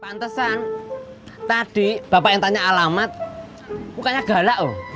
pantesan tadi bapak yang tanya alamat mukanya galak oh